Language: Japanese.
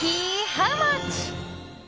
ハウマッチ。